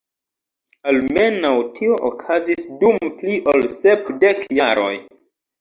Almenaŭ tio okazis dum pli ol sep dek jaroj.